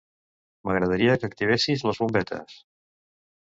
M'agradaria que activessis les bombetes.